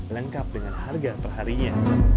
lengkap dengan harga perharinya